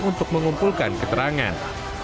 untuk mengumpulkan keterangan